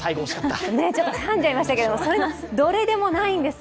ちょっとかんじゃいましたけれども、そのどれでもないんです。